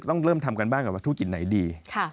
เริ่มทำกันบ้างก่อนว่าธุรกิจไหนดี